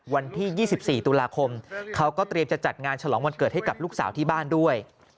วันที่๒๔ตุลาคมเขาก็เตรียมจะจัดงานฉลองวันเกิดให้กับลูกสาวที่บ้านด้วย